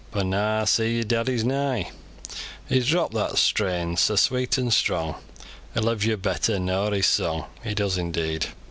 For nah aw see yor daddy's nigh; He's dropt that strain soa sweet and strong; He loves yo better nor his song He does indeed."